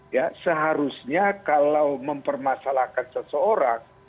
ya seharusnya kalau mempermasalahkan seseorang